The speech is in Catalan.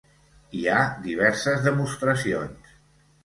Hi ha diverses demostracions.